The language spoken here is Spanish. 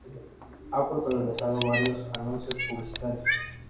Ha protagonizado varios anuncios publicitarios.